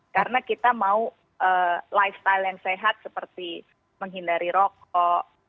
karena kita mau lifestyle yang sehat seperti menghindari rokok